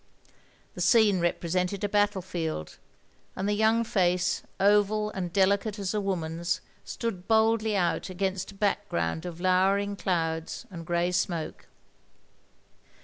The scene represented a battle field, and the yotmg face, oval and delicate as a woman's, stood boldly out against a background of lowering clouds and grey smoke.